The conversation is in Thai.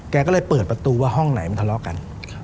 แกก็เลยเปิดประตูว่าห้องไหนมันทะเลาะกัน